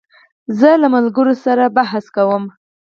زه له ملګرو سره بحث کوم.